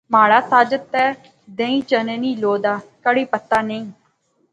مہاڑا ساجد تہ دیئں چنے نی لو دا، کڑی پتہ نئیں؟